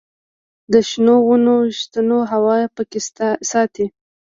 د شنو ونو شتون هوا پاکه ساتي.